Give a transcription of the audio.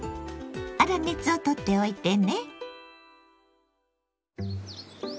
粗熱をとっておいてね。